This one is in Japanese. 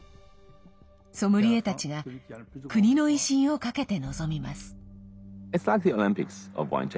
ソムリエたちが国の威信をかけて臨みます。